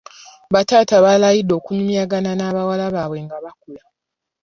Ba taata balayidde okunyumyagana ne bawala baabwe nga bakula.